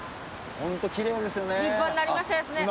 ホントきれいですよね。